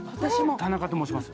田中と申します。